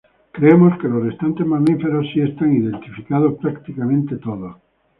Creemos que los restantes mamíferos si están identificados prácticamente todos.